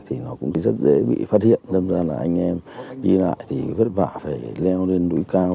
thì nó cũng rất dễ bị phát hiện nên là anh em đi lại thì vất vả phải leo lên núi cao